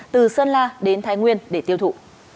từ sơn la đến thái nguyên để tiêu thụ